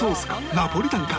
ナポリタンか？